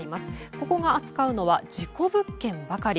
ここが扱うのは事故物件ばかり。